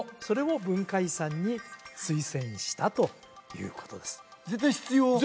それを文化遺産に推薦したということです絶対必要？